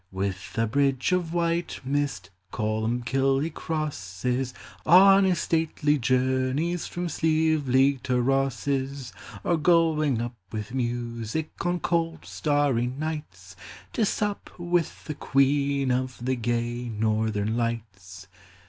With a bridge of white mist Colli mbkill he crosses, On his stately journeys From Slieveleague to Rosse's : Or going up with music On cold starry nights, To sup with the Queen Of the gay Northern Lights.